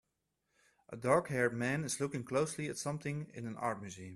A darkhaired man is looking closely at something in an art museum.